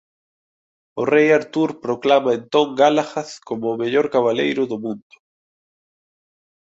O Rei Artur proclama entón Galahad como o mellor cabaleiro do mundo.